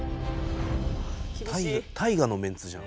大河のメンツじゃん。